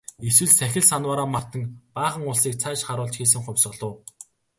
Эсвэл сахил санваараа мартан баахан улсыг цааш харуулж хийсэн хувьсгал уу?